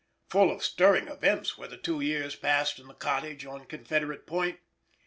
Full of stirring events were the two years passed in the cottage on Confederate Point.